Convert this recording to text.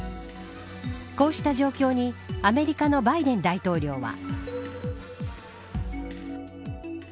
こうした状況にアメリカのバイデン大統領は。